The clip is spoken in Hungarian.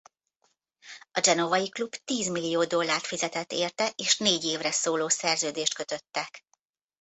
A genovai klub tízmillió dollárt fizetett érte és négy évre szóló szerződést kötöttek.